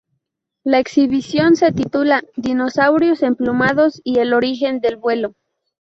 La exhibición se titula "Dinosaurios emplumados y el origen del vuelo".